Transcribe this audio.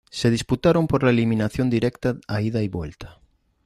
Se disputaron por eliminación directa a ida y vuelta.